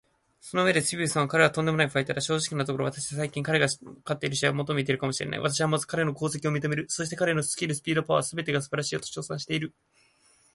その上でスティーブンソンは「彼は、とんでもないファイターだ。正直なところ、私は最近彼が勝っている試合を最も観ているかもしれない。私はまず彼の功績を認める。そして彼のスキル、スピード、パワー、すべてが素晴らしいよ」と称賛している。